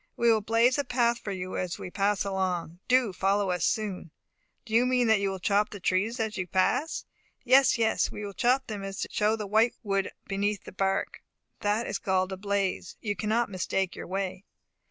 We will blaze a path for you as we pass along. Do follow us soon." "Do you mean that you will chop the trees as you pass?" "Yes, yes. We will chop them so as to show the white wood beneath the bark. That is called a blaze. You cannot mistake your way."